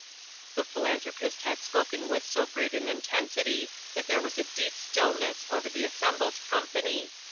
'" The Philanthropist had spoken with so great an intensity that there was a deep stillness over the assembled company.